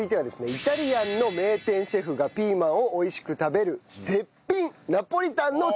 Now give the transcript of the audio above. イタリアンの名店シェフがピーマンを美味しく食べる絶品ナポリタンの作り方を教えて頂きます。